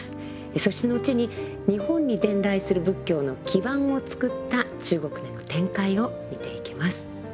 そして後に日本に伝来する仏教の基盤をつくった中国での展開を見ていきます。